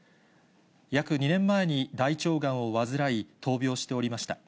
約２年前に大腸がんを患い、闘病しておりました。